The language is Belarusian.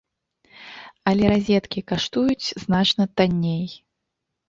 Але разеткі каштуюць значна танней.